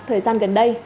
thời gian gần đây